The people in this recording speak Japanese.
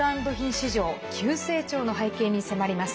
市場急成長の背景に迫ります。